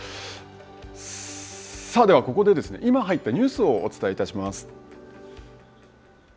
さあではここで今入ったニュースをお伝えいたします。